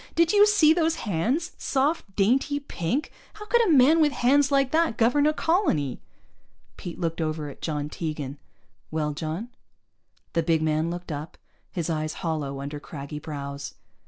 Did you see those hands? Soft, dainty, pink! How could a man with hands like that govern a colony?" Pete looked over at John Tegan. "Well, John?" The big man looked up, his eyes hollow under craggy brows.